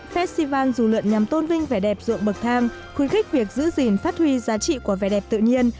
festival dù lượn nhằm tôn vinh vẻ đẹp ruộng bậc thang khuyến khích việc giữ gìn phát huy giá trị của vẻ đẹp tự nhiên